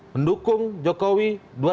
mendukung jokowi dua ribu sembilan belas